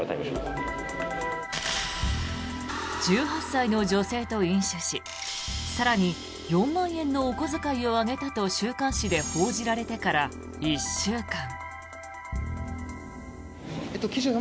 １８歳の女性と飲酒し更に４万円のお小遣いをあげたと週刊誌で報じられてから１週間。